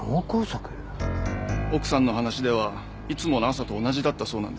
奥さんの話ではいつもの朝と同じだったそうなんです。